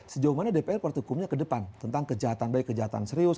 sejauh mana dpr partai hukumnya ke depan tentang kejahatan baik kejahatan serius